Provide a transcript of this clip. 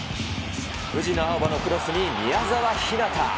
藤野あおばのクロスに宮澤ひなた。